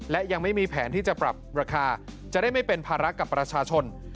และยังไม่มีแผนที่จะปรับราคาจะได้ไม่เป็นภาระกับประชาชน